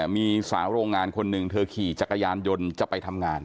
มีสาวโรงงานคนหนึ่งเธอขี่จักรยานยนต์จะไปทำงาน